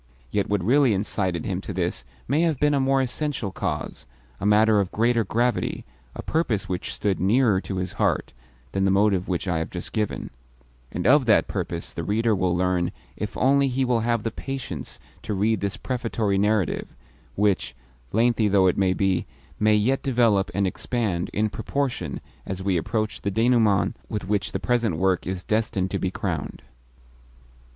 Yet what really incited him to this may have been a more essential cause, a matter of greater gravity, a purpose which stood nearer to his heart, than the motive which I have just given; and of that purpose the reader will learn if only he will have the patience to read this prefatory narrative (which, lengthy though it be, may yet develop and expand in proportion as we approach the denouement with which the present work is destined to be crowned).